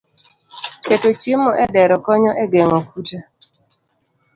Keto chiemo e dero konyo e geng'o kute